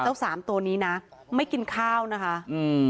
เจ้าสามตัวนี้นะไม่กินข้าวนะคะอืม